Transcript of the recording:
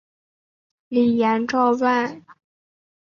李俨照办。